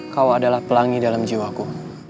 kau adalah pelangi dalam jiwaku